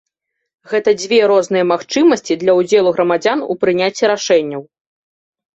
Гэта дзве розныя магчымасці для ўдзелу грамадзян у прыняцці рашэнняў.